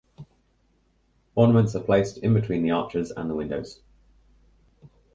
Ornaments are placed in between the arches and the windows.